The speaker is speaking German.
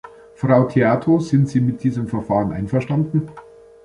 Frau Theato, sind Sie mit diesem Verfahren einverstanden?